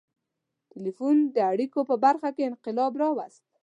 • ټیلیفون د اړیکو په برخه کې انقلاب راوست.